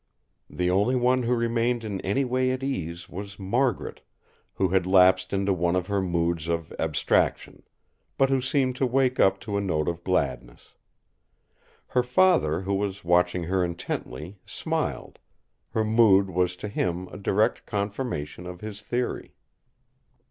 The only one who remained in any way at ease was Margaret, who had lapsed into one of her moods of abstraction, but who seemed to wake up to a note of gladness. Her father, who was watching her intently, smiled; her mood was to him a direct confirmation of his theory.